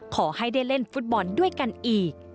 ขอให้ได้เล่นฟุตบอลด้วยกันอีก